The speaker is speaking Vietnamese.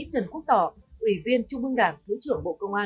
trần quốc tỏ ủy viên trung bương đảng thứ trưởng bộ công an